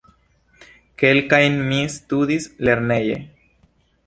Kelkajn mi studis lerneje.